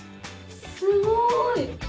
すごい！